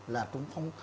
là cũng không